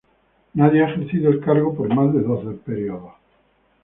Nadie ha ejercido el cargo por más de dos periodos.